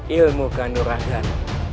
ilmu kandur rahan